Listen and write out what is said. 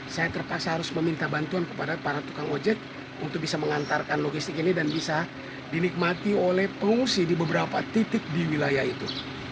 saya terpaksa harus meminta bantuan kepada para tukang ojek untuk bisa mengantarkan logistik ini dan bisa dinikmati oleh pengungsi di beberapa titik di wilayah itu